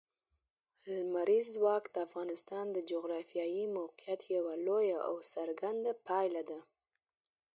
لمریز ځواک د افغانستان د جغرافیایي موقیعت یوه لویه او څرګنده پایله ده.